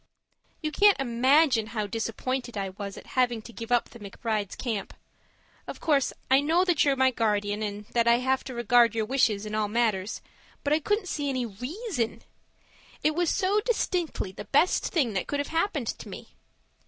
You can't imagine how disappointed I was at having to give up the McBrides' camp. Of course I know that you're my guardian, and that I have to regard your wishes in all matters, but I couldn't see any REASON. It was so distinctly the best thing that could have happened to me.